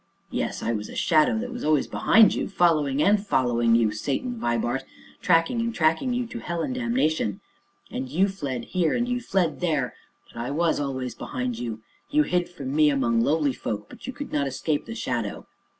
Yes, I was a shadow that was always behind you following and following you, Satan Vibart, tracking and tracking you to hell and damnation. And you fled here, and you fled there, but I was always behind you; you hid from me among lowly folk, but you could not escape the shadow.